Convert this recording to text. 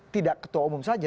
tidak ketua umum saja